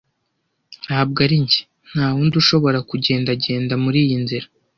Ntabwo ari njye, ntawundi ushobora kugendagenda muriyi nzira,